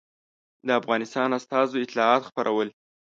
د افغانستان استازو اطلاعات خپرول.